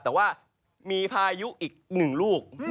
แต่ว่ามีพายุอีกหนึ่งลูก